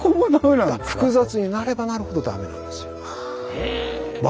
複雑になればなるほどダメなんですよ。